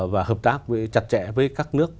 và hợp tác chặt chẽ với các nước